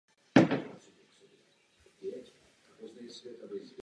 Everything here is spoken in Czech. Vítám smlouvu a blahopřeji zpravodajům.